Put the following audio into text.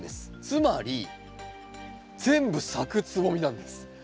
つまり全部咲くつぼみなんです。